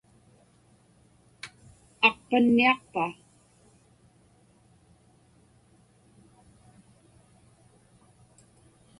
Aqpanniaqpa?